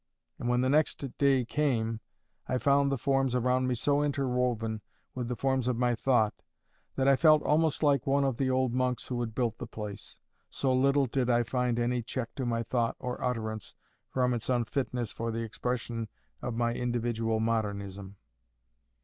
And when the next day came, I found the forms around me so interwoven with the forms of my thought, that I felt almost like one of the old monks who had built the place, so little did I find any check to my thought or utterance from its unfitness for the expression of my individual modernism.